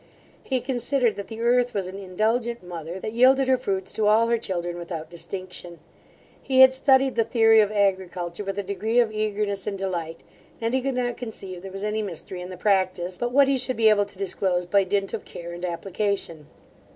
He considered, that the earth was an indulgent mother, that yielded her fruits to all her children without distinction. He had studied the theory of agriculture with a degree of eagerness and delight; and he could not conceive there was any mystery in the practice, but what he should be able to disclose by dint of care and application.